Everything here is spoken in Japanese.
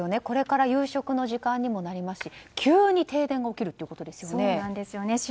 これから夕食の時間にもなりますし急に停電が起きるということですよね。